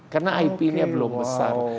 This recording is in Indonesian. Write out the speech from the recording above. karena ipnya belum besar